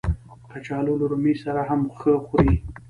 کچالو له رومي سره هم ښه خوري